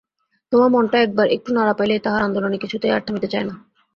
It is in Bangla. তোমার মনটা একবার একটু নাড়া পাইলেই তাহার আন্দোলন কিছুতেই আর থামিতে চায় না।